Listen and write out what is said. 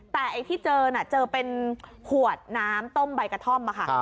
แต่ไอ้ที่เจอน่ะเจอเป็นขวดน้ำต้มใบกระท่อมค่ะ